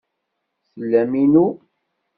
Tellam inu.